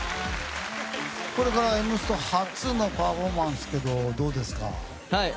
これから「Ｍステ」初のパフォーマンスですけどどうですか？